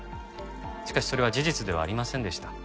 しかしそれは事実ではありませんでした。